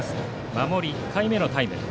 守り１回目のタイム。